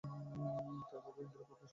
তাঁর বাবা ইন্দ্র প্রকাশ ও মা চাঁদ সুর।